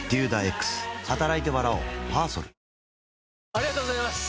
ありがとうございます！